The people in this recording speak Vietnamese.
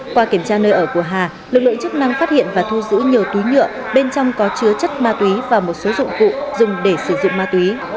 qua kiểm tra nơi ở của hà lực lượng chức năng phát hiện và thu giữ nhiều túi nhựa bên trong có chứa chất ma túy và một số dụng cụ dùng để sử dụng ma túy